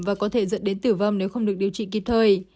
và có thể dẫn đến tử vong nếu không được điều trị kịp thời